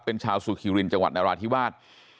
เป็นชาวสุคิรินจังหวัดนราธิวาส